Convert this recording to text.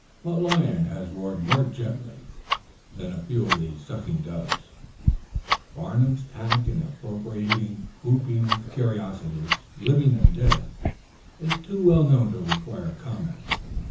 What lion has roared more gently than a few of these sucking doves? Barnum's tact in appropriately grouping curiosities, living and dead, is too well known to require comment.